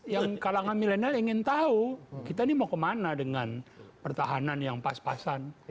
yang kalangan milenial ingin tahu kita ini mau kemana dengan pertahanan yang pas pasan